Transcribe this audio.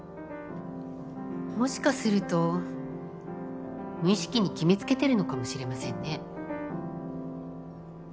もしかすると無意識に決め付けてるのかもしれませんね。